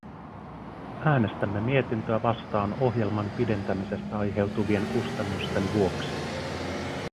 Äänestämme mietintöä vastaan ohjelman pidentämisestä aiheutuvien kustannusten vuoksi.